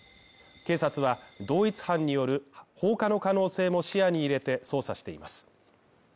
警察は同一犯による放火の可能性も視野に入れて捜査しています。